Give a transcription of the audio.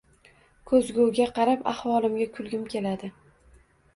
Ko`zguga qarab ahvolimga kulgim keladi